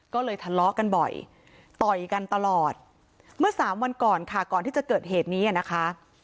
ก็เลยทะเลาะกันบ่อยต่อยกันตลอดเมื่อสามวันก่อนค่ะก่อนที่จะเกิดเหตุนี้นะคะ